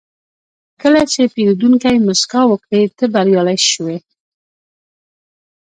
کله چې پیرودونکی موسکا وکړي، ته بریالی شوې.